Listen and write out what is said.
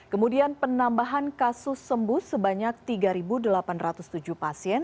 kemudian penambahan kasus sembuh sebanyak tiga delapan ratus tujuh pasien